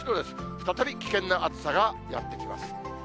再び危険な暑さがやって来ます。